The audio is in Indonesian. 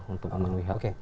untuk memenuhi hak publik